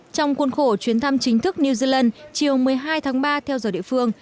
trong khuôn khổ chuyến thăm chính thức new zealand chiều một mươi hai tháng ba theo giờ địa phương